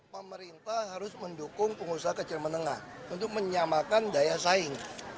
pemerintah harus mendukung pengusaha kecil menengah untuk menyamakan daya saing